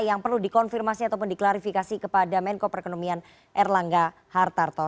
yang perlu dikonfirmasi ataupun diklarifikasi kepada menko perekonomian erlangga hartarto